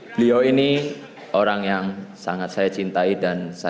beliau ini orang yang sangat saya cintai dan saya